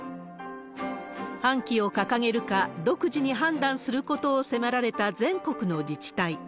半旗を掲げるか、独自に判断することを迫られた全国の自治体。